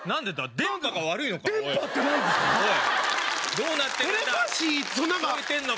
どうなってるんだ？